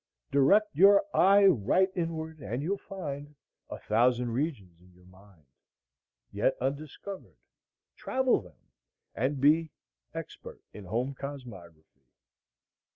— "Direct your eye right inward, and you'll find A thousand regions in your mind Yet undiscovered. Travel them, and be Expert in home cosmography."